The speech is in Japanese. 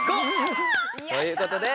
５！ということで。